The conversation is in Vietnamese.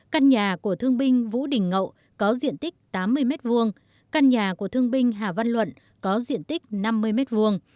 căn nhà của thương binh vũ đình ngậu có diện tích tám mươi m hai căn nhà của thương binh hà văn luận có diện tích năm mươi m hai